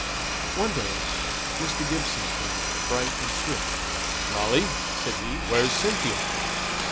One day Mr. Gibson came in, bright and swift. "Molly," said he, "where's Cynthia?"